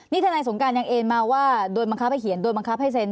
นี่ทนายสงการยังเอ็นมาว่าโดนบังคับให้เขียนโดยบังคับให้เซ็น